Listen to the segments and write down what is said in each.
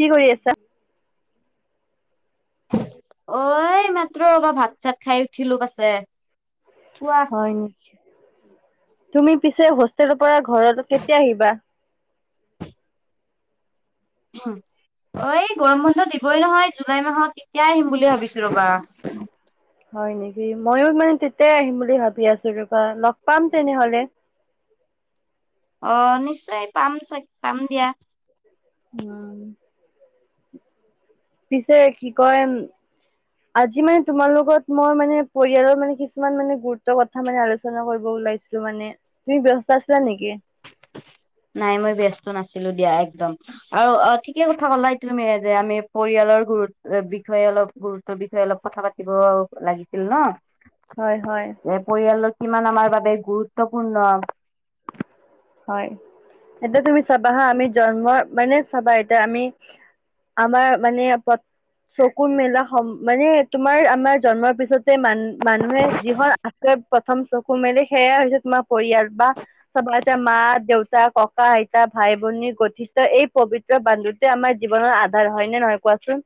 কি কৰি আছা? অ', এই মাত্ৰ ভাত চাত খাই উঠিলোঁ পাচে। হয় নি? তুমি পিছে হোষ্টেলৰ পৰা ঘৰত কেতিয়া আহিবা? [inaudible] উম'। অ, এই গৰম বন্ধ দিবই নহয় জুলাই মাহত তেতিয়াই আহিম বুলি ভাবিছোঁ ৰবা। হয় নেকি ময়ো মানে তেতিয়াই আহিম বুলি ভাবি আছো ৰবা, লগ পাম তেনেহলে? [unintelligible] অ', নিশ্চয় পাম চাগে পাম দিয়া। উম'। পিছে কি কয় ওম,? আজি মানে তোমাৰ লগত মই মানে পৰিয়ালৰ মানে কিছুমান মানে গুৰুত্বৰ কথা মানে আলোচনা কৰিব ওলাইছিলো মানে তুমি ব্যস্ত আছিলা নেকি? নাই মই ব্যস্ত নাছিলো। দিয়া একদম আৰু অ', ঠিকে কথা কলা তুমি যে আমি পৰিয়ালৰ গুৰু বিষয়ে অলপ গুৰুত্বৰ বিষয়ে অলপ কথা পাতিব লাগিছিল ন? হয় হয় যে পৰিয়ালৰ কিমান আমাৰ বাবে গুৰুত্বপূৰ্ণ? হয়। এতিয়া তুমি চাবা হা আমি জন্ম মানে চাবা এতিয়া আমি আমাৰ মানে চকুৰ মেলা মানে তোমাৰ আমাৰ জন্মৰ পিছতে মান মানুহে যিখন আ প্ৰথম চকু মেলি সেয়াই হৈছে তোমাৰ পৰিয়াল বা চব মা দেউতা ককা আইতা ভাই ভনী গঠীষ্ঠ এই পবিত্ৰ বান্ধোটোৱে আমাৰ জীৱনৰ ধাৰ হয়নে নহয় কোৱাচোন?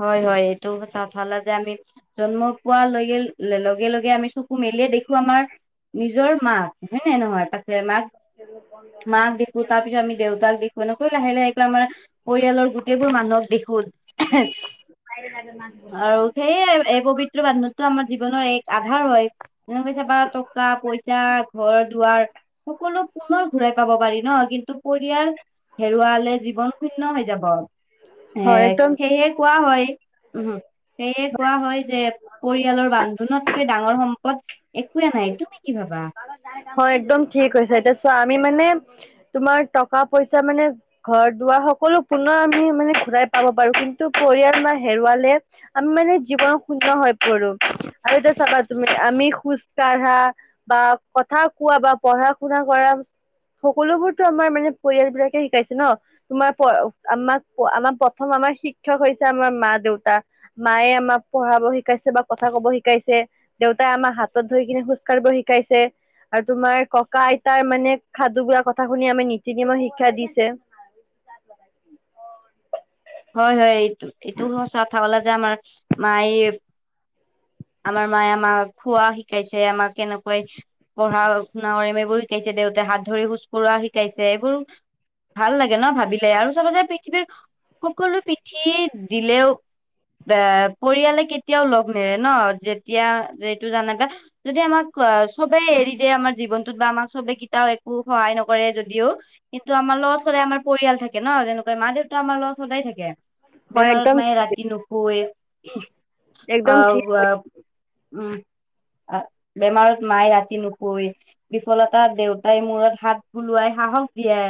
হয়'-হয়', এইটো কথা যে আমি জন্ম পোৱা লগে-লগে-লগে আমি চকু মেলিয়ে দেখো আমাৰ নিজৰ মাক হয় নে নহয় পাছে মাক-মাক দেখো তাৰ পিছত আমি দেউতাক দেখো মানকৈ লাহে-লাহে আমাৰ পৰিয়ালৰ গোটেইবোৰ মানুহক দেখোন। [unintelligible] আৰু সেয়ে এই পবিত্ৰ বান্ধোটো আমাৰ জীৱনৰ এক আধাৰ হয় যেনেক কৈ চাবা টকা পইচা ঘৰ দুৱাৰ সকলো পুনৰ ঘূৰাই পাব পাৰি ন কিন্তু পৰিয়াল হেৰুৱালে জীৱন শূণ্য হৈ যাব। এ হয় একদম সেইয়ে কোৱা হয় উম'। সেয়ে কোৱা হয় যে পৰিয়ালৰ বান্ধোনতকৈ ডাঙৰ সম্পদ একোৱে নাই তুমি কি ভাবা? হয় একদম ঠিক হৈছে এতিয়া চোৱা আমি মানে তোমাৰ টকা পইচা মানে দুৱাৰ সকলো পুনৰ আমি মানে ঘূৰাই পাব পাৰো কিন্তু পৰিয়াল আমাৰ হেৰুৱালে আমি মানে জীৱন শূণ্য হৈ পৰো আৰু এতিয়া চাবা তুমি আমি খোজ কাঢ়া বা কথা কোৱা বা পঢ়া শুনা কৰা সকলোবোৰতো আমাৰ মানে পৰিয়াল বিলাকে শিকাইছে ন? তোমাৰ আমাক আমাক প্ৰথম আমাৰ শিক্ষক হৈছে আমাৰ মা দেউতা মায়ে আমাক পঢ়াব শিকাইছে বা কথা কব শিকাইছে, দেউতাই আমাৰ হাতত ধৰি কিনে খোজকাঢ়িব শিকাইছে। আৰু তোমাৰ ককা আইতাৰ মানে সাধুবোৰৰ কথা শুনি আমাৰ নীতি নিয়মৰ শিক্ষা দিছে। [unintelligible] হয়'-হয়', এইটো-এইটো সঁচা কথা কলা যে আমাৰ মায় আমাৰ মায়ে আমাক খোৱা শিকাইছে আমাক কেনেকৈ পঢ়া শুনা কৰিম এইবোৰ শিকাইছে। দেউতা হাত ধৰি খোজ কঢ়া শিকাইছে এইবোৰ ভাল লাগে ন ভাবিলে আৰু চবতে পৃথিৱীৰ সকলো পিঠি দিলেও। এ পৰিয়ালে কেতিয়াও লগ নেৰে ন? যেতিয়া যটো জানাবা যদি আমাক অ, চবেই এৰি দিয়ে আমাৰ জীৱনটোত বা আমাক চবে কিতাপ অঁ একো সহায় নকৰে যদিও কিন্তু আমাৰ লগত সদায় আমাৰ পৰিয়াল থাকে ন যেনেকৈ মা দেউতা আমাৰ লগত সদায় থাকে হয় বেমাৰত একদম মানে ঠিক ৰাতি নুশুয়ে অ একদম ঠিক ৱা উম বেমাৰত মায়ে ৰাতি নুশুয়ে বিফলতা দেউতাই মূৰত হাত বুলোৱাই সাহস দিয়ে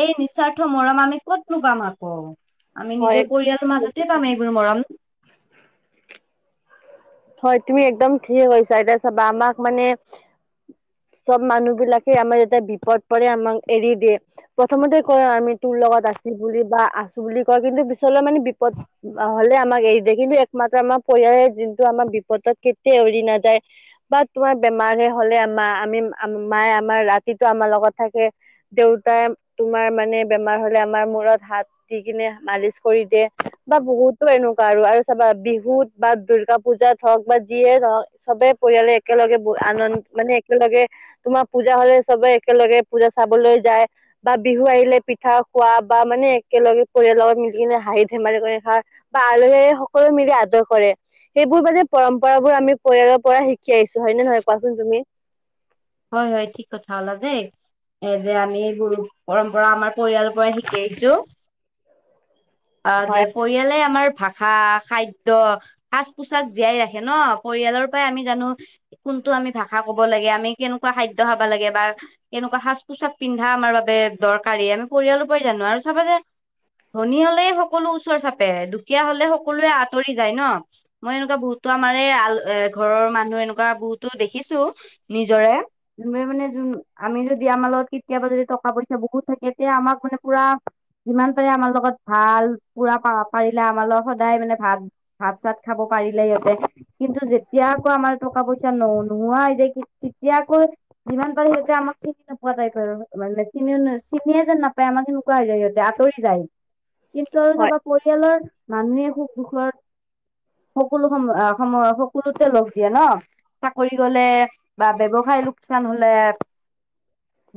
এই নিস্বাৰ্থ মৰম আমি ক'ত নো পাম আকৌ আমি হয় নিজৰ পৰিয়ালৰ মাজতে পাম একদম এইবোৰ মৰম হয় তুমি একদম ঠিকে কৈছা এতিয়া চাবা আমাক মানে চব মানুহ বিলাকে আমাৰ এটা বিপদ পৰে আমাক এৰি দিয়ে প্ৰথমতে কয় আমি তোৰ লগত আছি বুলি বা আছোঁ বুলি কিন্তু পিছলৈ মানে বিপদ হ'লে আমাক এৰি দিয়ে কিন্তু একমাত্ৰ আমাৰ পৰিয়ালে যোনটো আমাৰ বিপদ কেতিয়া উৰি নাযায় বা তোমাৰ বেমাৰহে হ'লে মা আমি মায়ে আমাৰ ৰাতিটো আমাৰ লগত থাকে দেউতাই তোমাৰ মানে বেমাৰ হ'লে আমাৰ মূৰত হাত দি কিনে মালিচ কৰি দিয়ে বা বহুতো এনেকুৱা আৰু আৰু চাবা বিহুত বা দুৰ্গা পূজাত হওঁক বা যিয়ে ধৰক চবে পৰিয়ালে একেলগে আনন্দ মানে একেলগে তোমাৰ পূজা হ'লে চবে একেলগে পূজা চাবলৈ যায় বা বিহু আহিলে পিঠা খোৱা বা মানে একেলগে পৰিয়ালৰ মিলি কিনে হাঁহি ধেমালি কৰি খাই বা আলহী সকলোৱে মিলি আদৰ কৰে সেইবোৰ মানে পৰম্পৰাবোৰ আমি পৰিয়ালৰ পৰা শিকি আহিছোঁ। হয় নে নহয় কোৱাচোন তুমি? হয় হয় ঠিক কথা কলা দেই এ যে আমি গুৰু পৰম্পৰা আমাৰ পৰিয়ালৰ পৰাই শিকি আহিছোঁ অ যে হয় পৰিয়ালে আমাৰ ভাষা খাদ্য সাজ পোছাক জীয়াই ৰাখে ন পৰিয়ালৰ পৰাই আমি জানো কোন টো আমি ভাষা ক'ব লাগে আমি কেনেকুৱা খাদ্য খাব লাগে বা কেনেকুৱা সাজ পোছাক পিন্ধা আমাৰ বাবে দৰকাৰী আমি পৰিয়ালৰ পৰাই জানো আৰু চাবা যে ধনী হ'ল হ'লে সকলো ওচৰ চাপে দুখীয়া হ'লে সকলোৱে আঁতৰি যায় ন মই এনেকুৱা বহুতো আমাৰ এই আ এ ঘৰৰ মানুহ এনেকুৱা বহুতো দেখিছোঁ নিজৰে যোনবোৰে মানে যোন আমি যদি যদি আমাৰ লগত কেতিয়াবা যদি টকা পইচা বহুত থাকে তেতিয়া আমাক মানে পুৰা যিমান পাৰে আমাৰ লগত ভাল পুৰা প পাৰিলে আমাৰ লগ সদায় মানে ভাত ভাত চাত খাব পাৰিলে সিহঁতে কিন্তু যেতিয়া আকৌ আমাৰ টকা পইচা ন নোহোৱা হৈ যায় তেতিয়া আকৌ যিমান পাৰে সেইটোয়ে আমাক চিনি নোপোৱা টাইপ আৰু মানে চিনিও চিনিয়ে যেন নেপায় আমাক এনেকুৱা হৈ যায় সিহঁতে আঁতৰি যায় কিন্তু আৰু হয় চাবা পৰিয়ালৰ মানুহে সুখ - দুখৰ সকলো সময় সময় সকলোতে লগ দিয়ে ন চাকৰি গ'লে বা ব্যৱসায় লোকচান হ'লে, [inaudible]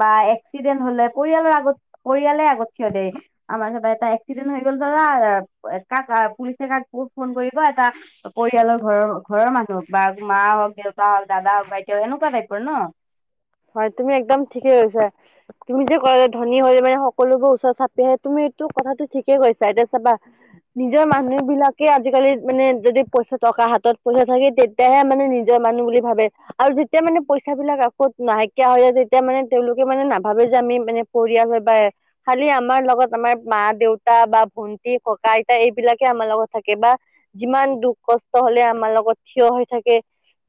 বা এক্সিডেণ্ট হ'লে পৰিয়ালৰ আগত পৰিয়ালে আগত থিয় দেই আমাৰ সবে এটাই এক্সিডেণ্ট হৈ গ'ল দাদা কাক পুলিচে কাক বহুত ফোন কৰিব এটা পৰিয়ালৰ ঘৰৰ ঘৰৰ মানুহক বা মা হওঁক দেউতা হওঁক দাদা হওঁক ভাইটি হওঁক এনেকুৱা টাইপৰ ন। হয় তুমি একদম ঠিকে কৈছা তুমি যে ক'লা ধনী হ'লে মানে সকলোবোৰ ওচৰ চাপি আহে। তুমি কথাটো ঠিকে কৈছা এতিয়া চাবা নিজৰ মানুহ বিলাকে আজিকালি মানে যদি পইচা টকা হাতত পইচা থাকে তেতিয়াহে মানে নিজৰ মানুহ বুলি ভাবে আৰু যেতিয়া মানে পইচা বিলাক আকৌ নাইকিয়া হৈ যায় তেতিয়া মানে তেওঁলোকে মানে নাভাবে যে আমি মানে পৰিয়াল হয় বা খালি আমাৰ লগত আমাৰ মা দেউতা বা ভন্টি ককা আইতা এইবিলাকে আমাৰ লগত থাকে বা যিমান দুখ কষ্ট হ'লেও আমাৰ লগত থিয় হৈ থাকে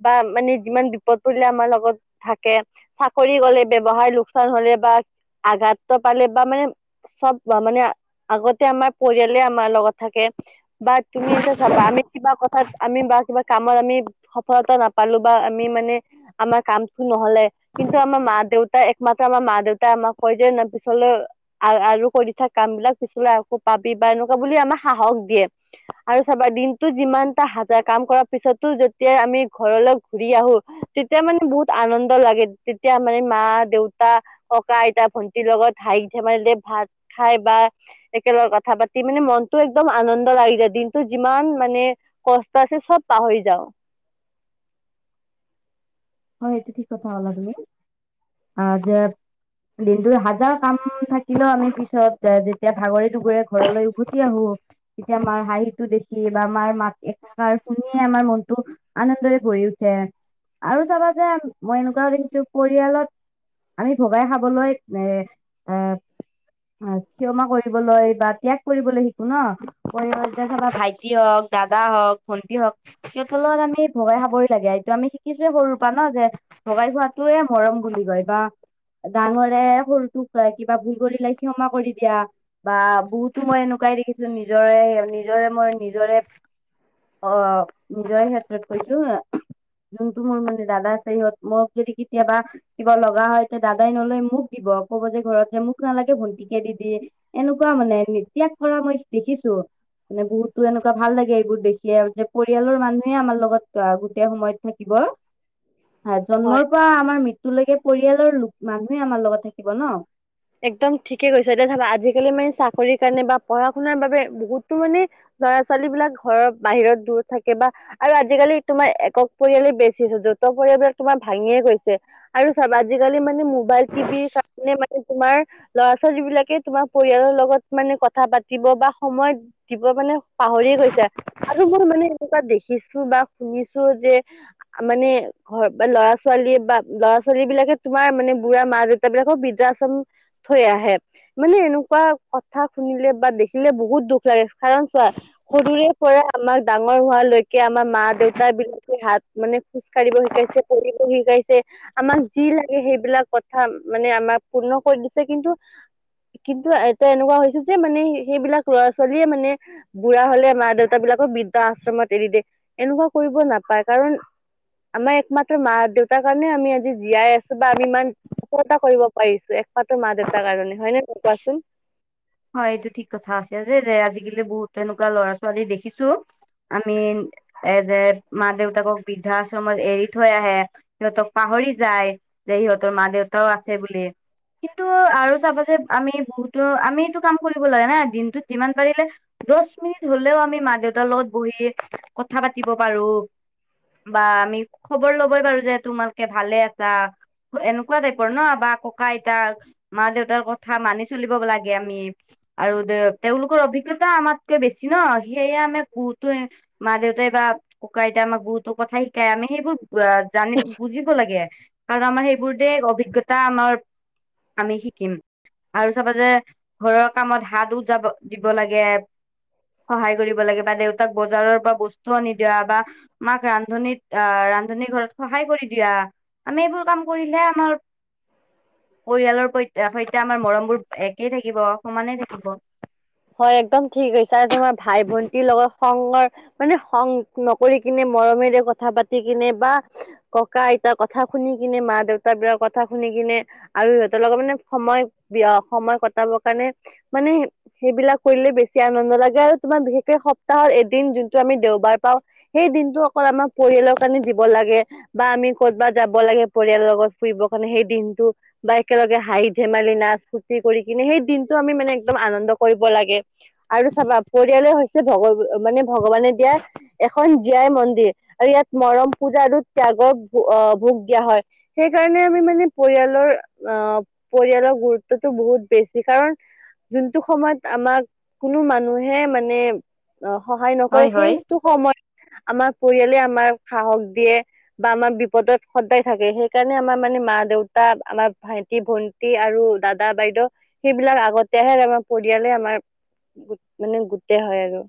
বা মানে যিমান বিপদ পৰিলে আমাৰ লগত থা কে চাকৰি গ'লে ব্যৱসায় লোকচান হ'লে বা আঘাত ত পালে বা মানে চব মানে আগতে আমাৰ পৰিয়ালে আমাৰ লগত থাকে। বা তুমি এতিয়া চাবা আমি কিবা কথাত আমি বা কিবা কামত আমি সফলতা নাপালো বা আমি মানে আমাৰ কাম নহ'লে কিন্তু আমাৰ মা দেউতাই একমাত্ৰ আমাৰ মা দেউতাই আমাক কয় যে পিছলৈ আ আ আৰু কৰি থাক কাম বিলাক পিছলৈ আকৌ পাবি বা এনেকুৱা বুলি আমাক সাহস দিয়ে আৰু চাবা দিনটোত যিমানটা হাজাৰ কাম কৰাৰ পিছতো যেতিয়া আমি ঘৰলৈ ঘুৰি আহো তেতিয়া মানে বহুত আনন্দ লাগে তেতিয়া মানে মা দেউতা ককা আইতা ভন্টিৰ লগত হাইক ধেমালিতে ভাত খাই বা, একেলগে কথা পাতি মানে মনতো একদম আনন্দ লাগি যায় দিনটো যিমান মানে। মানে কষ্ট আছে চব পাহৰি যাও। হয় এইটো ঠিক কথা কলা তুমি। দিনটো হাজাৰ কাম থাকিলেও আমি পিছত যেতিয়া ভাগৰি দুগৰি ঘৰলৈ উভতি আহো। তেতিয়া মাৰ হাঁহিটো দেখি বা মাৰ মাত এষাৰ শুনিয়ে আমাৰ মনটো আনন্দৰে ভৰি উঠে। আৰু চাবা যে মই এনেকুৱাও দেখিছো পৰিয়ালত। আমি ভগাই খাবলৈ এ এ। অ, ক্ষমা কৰিবলৈ বা ত্যাগ কৰিবলৈ শিকো ন পৰিয়াল এতিয়া ধৰা ভাইটি হওক। দাদা হওক ভণ্টি হক সিহতৰ লগত আমি ভগাই খাবই লাগে এইটো আমি শিকিছোে সৰু যে ভগাই খোৱাটোয়ে মৰম বুলি কয় বা ডাঙৰে সৰুটোক কিবা ভুল কৰিলে ক্ষমা কৰি দিয়া, বা বহুতো মই এনেকুৱা। চাই দেখিছো নিজৰে নিজৰে মই নিজৰে। অ' নিজৰ ক্ষেত্ৰত কৈছো যোনটো মোৰ মানে। দাদা আছে সহত মোক যদি কেতিয়াবা কিবা লগা হয় তেতিয়া দাদাই নলয় মোক দিব ক'ব যেৰত। মোক নালাগে, ভণ্টিকে দি দি এনেকুৱা মানে ত্যাগ কৰা মই দেখিছো। মানে বহুতো এনেকুৱা ভাল লাগে এইবোৰ দেখিয়ে আৰু যে পৰিয়ালৰ মানুহে আমাৰ লগত আহ গোটেই সময়ত থাকিব। ক। হয়, জন্মৰ পৰা আমাৰ মৃত্যয়ুলৈকে পৰিয়ালৰ লোক মানুহে আমাৰ লগত থাকিব ন। একদম ঠিকে গৈছা! এতিয়া ধাবা আজিকালি মানে চাকৰি কাৰণে বা পঢ়া শুনাৰ বাবে বহুতো মানে। ল'ৰা ছোৱালী বিলাক ঘৰৰ বাহিৰত দূৰ থাকে বা আৰু আজিকালি তোমাৰ একক পৰিয়ালেই বেছি।। পৰিাক তোমাৰ ভাঙিয়ে গৈছে আৰু চাব আজিকালি মানে মোবাইল টিভিৰ কাৰণে ম। তোমাৰ ল'ৰা ছোৱালী বিলাকে তোমাৰ পৰিয়ালৰ লগত মানে কথা পাতিব বা সময় দিব মানে। পাহৰি গৈছে। আৰু মই মানে এনেকুৱা দেখিছো বা শুনিছো যে মানে ঘৰ বা ল'ৰা ছোৱালী। বা ল'ৰা ছোৱালী বিাক তোমাৰ মানে বুঢ়া মা দেউতা বিলাকক বিদা। থৈ আহে মানে এনেকুৱা কথা শুনিলে বা দেখিলে বহুত দুখ লাগে কাৰণ। সৰুৰে পৰা আমাক ডাঙৰ হোৱালৈকে আমাৰ মা দেউতাৰ বিলাকে হাত। মানে খোজ কঢ়িব শিকাইছে পঢ় শিকাইছে আমাক যি লাগে সেইবিলাক কথা মানে আমাক। পূৰ্ণ কৰি দিছে কিন্তু। কিন্তু এয়া এনেকুৱা হৈছে যে মানে সেইবিলাক ল'ৰা ছোৱালীয়ে মানে বুঢ়া হলে মা দেউতা বিলাক। বৃদ্ধা আশ্ৰমত এৰি দিয়ে এনেকুৱা কৰিব নাপায় কাৰণ। আমাৰ একমাত্ৰ মা দেউতাৰ কাৰণে আমি আজি জীয়াই আছো বা আমি ইমান সফলতা কৰিব। পিছো একমাত্ৰ মা দেউতাৰ কাৰণে হয় নে ন কোৱাচোন। হয়, এইটো ঠিক কথা আছে যে যে আজিকালি বহুত তেনেকুৱা লৰা ছোৱালী দেখিছো। আমি এ যে মা দেউতাকক বৃদ্ধাশ্ৰমত এৰি থৈ আহে সিহঁতক পাহৰি। যায় যে সিহঁতৰ মা দেউতাও আছে বুলি। কিন্তু আৰু চাবা যে আমি বহুতো আমি। ক কৰিব লাগা নাই দিনটোত যিমান পাৰিলে দহ মিনিট হলেও আমি মা দেউতাৰ লগত বহি। কথা পাতিব পাৰো। বা, আমি খবৰ ল'বই পাৰো যে তোমালোকে ভালে আছা। এনেকুৱা টাইপৰ ন বা ককা আইতাক মা দেউতাৰ কথা মানি চলিব লাগে আমি। আৰু দে তেওঁলোকৰ অভিজ্ঞতা আমাতকৈ বেছি ন সেয়ে আমি। মা দেউতাই বা, কক আইতা আমাক বুতো কথা শিকাই আমি সেইবোৰ জানি বুজিব। ল কাৰণ আমাৰ সেইবোৰ অভিজ্ঞতা। টা আমাৰ আমি শিকিম আৰু চবতে। ঘৰৰ কামত হাত উ যাব দিব লাগে। সহায় কৰিব লাগে বা দেউতাক বজাৰৰ পৰা বস্তু। নিদিয়া বা মাক ৰান্ধনীত আহ ৰান্ধনী ঘৰত সহায় কৰি দিয়া। আমি এইবোৰ কাম কৰিলে আমাৰ পৰিয়ালৰ স। এয়া আমাৰ মৰম বোৰ একেই থাকিব সমানে থাকিব। হয় একদম ঠিক কৈছা আৰু তোমাৰ ভাই ভন্টিৰ লগত সংগৰ মানে সং নকৰি কিনে মৰমেৰে কথা পাতি কিনে বা ককা আইতাৰ কথা। শুনি কিনে মা দেউতাৰ বি কথা শুনি কিনে আৰু সিহতৰ লগত মানে সময় বি সময় কটাব। কাৰণে মানে। সেইবিলাক কৰিলে বেছি আনন্দ লাগে আৰু তোমাৰ বিশেষকে সপ্তাহত এদিন যোনটো আমি দেওবাৰ পাওঁ সেই। দিনটো অকল আমাৰ পৰিয়ালৰ কাৰণে দিব লাগে বা আমি কৰ'তবাত যাব লাগে পৰিয়ালৰ লগত ফুৰিবৰ কাৰণে। সেই দিনটো বা একেলগে হাঁহি ধেমালি নাচ ফূৰ্তি কৰি কিনে সেই দিনটো আমি মানে একদম আনন্দ। কৰিব লাগে আৰু চাবা পৰিয়ালে। ভগৱ মানে ভগৱানে দিয়া এখন জীয়াই মন্দিৰ আৰু ইয়াত মৰম পূজা আৰু ত্যাগ। ভ দিয়া হয় সেইকাৰণে আমি মানে পৰিয়ালৰ পৰিয়ৰ। গুৰুত্বটো বহুত বেছি কাৰণ যোনটো। সময়ত আমাক কোনো মানুহে মানে অ সহায় নকৰে হয় হয় সেইটো সময়ত। আমাৰ পৰিয়ালে আমাৰ সাহস দিয়ে বা আমাৰ বিপদত সদায় থাকে সেইকাৰণে আমাৰ মানে। মা দেউতা আমাৰ ভাইটি ভন্টি আৰু দাদা বাইদেউ সেইবিলাক আগতেহে আমাৰ। পৰিয়ালে আমাৰ মানে গোটেই হয় আৰু।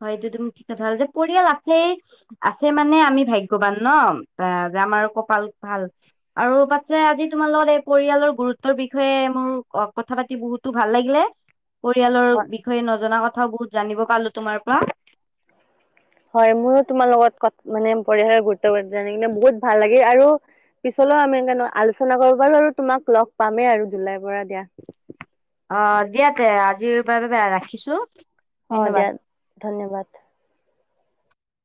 হয় এইটো তুমি ঠিক কথা হ'ল যে পৰিয়াল আছে আছে মানে আমি ভাগ্যয়ৱান ন অ আমাৰ কপাল ভাল আৰু পাছে আজি তোমাৰ লগত এই পৰিয়ালৰ গুৰুত্বৰ বিষয়ে মোৰ। অ কথা পাতি বহুতো ভাল লাগিলে। পৰিয়ালৰ হয় বিষয়ে নজনা কথাও বহুত জানিব পালো তোমাৰ পৰা। হয় মোৰো তোমাৰ লগত মানে পৰিয়ালে গুৰুপূৰ্ণ কিন্ত বহুত ভাল লাগে আৰু। পিছলৈও আমি আলোচনা কৰ পাৰো আৰু তোমাক লগ পামেই আৰু জুলাইৰ পৰা দিয়া। অ দিয়া তে আজিৰ পৰা ৰাখিছো। অ ধন্যবাদ দিয়া ধন্যবাদ।